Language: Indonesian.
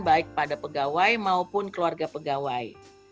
baik pada pegawai maupun keluarga pegawai